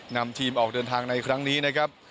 นำทีมออกเดินทางในครั้งนี้นะครับ